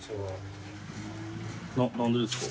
何でですか？